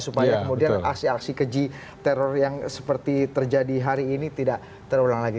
supaya kemudian aksi aksi keji teror yang seperti terjadi hari ini tidak terulang lagi